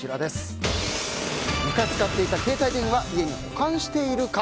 昔使っていた携帯電話家に保管しているか。